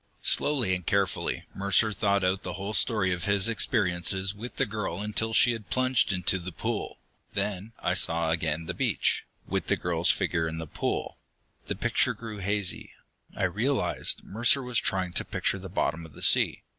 Slowly and carefully Mercer thought out the whole story of his experiences with the girl until she had plunged into the pool. Then I saw again the beach, with the girl's figure in the pool. The picture grew hazy; I realized Mercer was trying to picture the bottom of the sea.